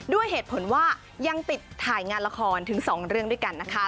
ด้วยเหตุผลว่ายังติดถ่ายงานละครถึง๒เรื่องด้วยกันนะคะ